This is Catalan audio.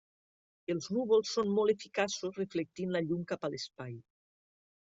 Els núvols són molt eficaços reflectint la llum cap a l'espai.